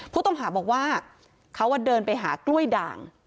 ผู้ต้องหาบอกว่าเขาเดินไปหากล้วยด่าง